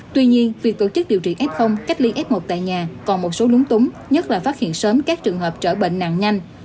tuy nhiên việc tổ chức điều trị f cách ly f một tại nhà còn một số lúng túng nhất là phát hiện sớm các trường hợp trở bệnh nặng nhanh